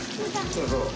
そうそう。